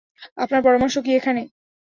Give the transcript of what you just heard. আপনার পরামর্শ কী এখানে?